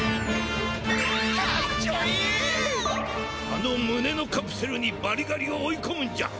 あのむねのカプセルにバリガリを追いこむんじゃ。